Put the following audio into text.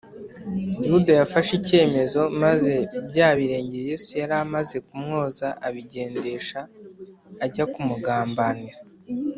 yuda yafashe icyemezo, maze bya birenge yesu yari amaze kumwoza abigendesha ajya kumugambanira